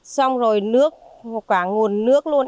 xong rồi nước cả nguồn nước luôn